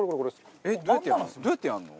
どうやってやるの？